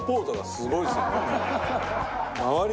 すごい。